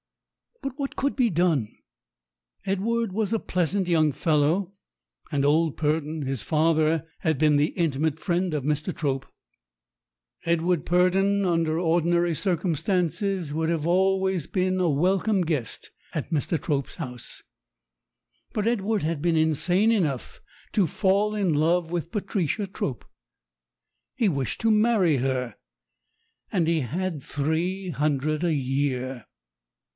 But what could be done? Edward was a pleasant young fellow, and old Purdon, his father, had been the intimate friend of Mr. Trope. Edward Purdon 65 66 STORIES WITHOUT TEARS under ordinary circumstances would have been always a welcome guest at Mr. Trope's house. But Edward had been insane enough to fall in love with Patricia Trope. He wished to marry her and he had three hundred a year.